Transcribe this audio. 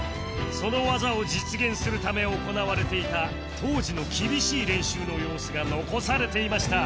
その技を実現するため行われていた当時の厳しい練習の様子が残されていました